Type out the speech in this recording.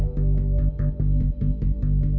เวลาที่สุดท้าย